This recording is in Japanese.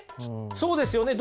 そうですよね。